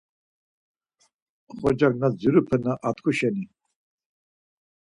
Oxorcak na dzirupe na atku şeni...